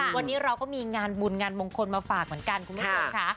วันนี้เราก็มีงานบุญงานมงคลมาฝากเหมือนกันคุณผู้ชมค่ะ